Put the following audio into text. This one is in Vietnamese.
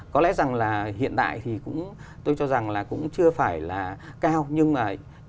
có lẽ rằng là hiện tại thì tôi cho rằng là cũng chưa phải là cao nhưng mà